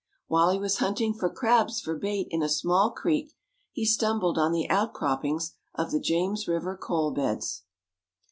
While he was hunt ing for crabs for bait in a small creek, he stumbled on the outcroppings of the James River coal beds.